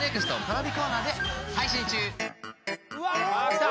・きた！